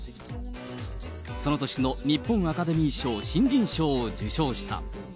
その年の日本アカデミー賞新人賞を受賞した。